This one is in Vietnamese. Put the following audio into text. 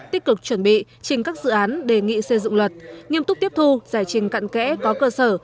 tích cực chuẩn bị trình các dự án đề nghị xây dựng luật nghiêm túc tiếp thu giải trình cận kẽ có cơ sở